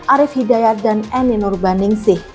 arif hidayat dan eninur bandingsih